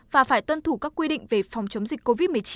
và phải tuân thủ các quy định về phòng chống dịch covid một mươi chín